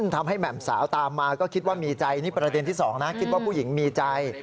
ทำให้แหม่มสาวตามมาก็คิดว่ามีใจนี่ประเด็นที่๒นะคิดว่าผู้หญิงมีใจ